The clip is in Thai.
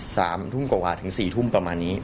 สามทุ่มกว่ากว่าถึงสี่ทุ่มประมาณนี้